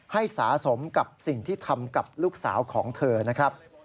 สะสมกับสิ่งที่ทำกับลูกสาวของเธอนะครับ